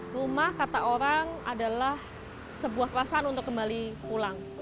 rumah kata orang adalah sebuah perasaan untuk kembali pulang